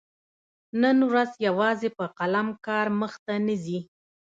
نن ورځ يوازي په قلم کار مخته نه ځي.